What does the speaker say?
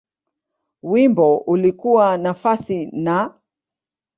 Wimbo ulikuwa nafasi Na.